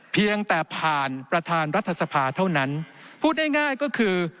เพียงแต่ผ่านประธานรัฐสภาเท่านั้นพูดง่ายง่ายก็คือ